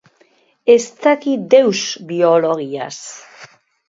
Ez daki deus biologiaz.